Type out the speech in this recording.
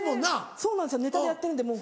そうなんですよネタでやってるんでもう。